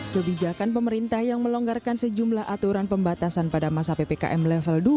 kebijakan pemerintah yang melonggarkan sejumlah aturan pembatasan pada masa ppkm level dua